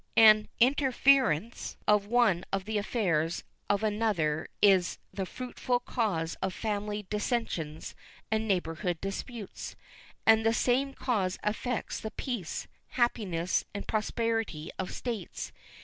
An interference of one in the affairs of another is the fruitful cause of family dissensions and neighborhood disputes, and the same cause affects the peace, happiness, and prosperity of states.